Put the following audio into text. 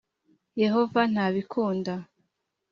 Yehova ntabikunda .